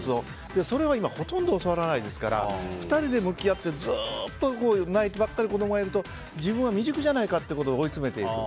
それが今ほとんど教わらないですから２人で向き合ってずっと泣いてばかりの子供がいると自分が未熟じゃないかというほど追いつめていく。